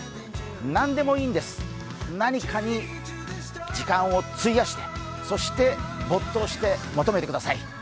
なんでもいいんです、何かに時間を費やして、そして没頭して、求めてください。